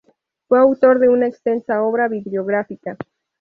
Fue autor de una extensa obra bibliográfica.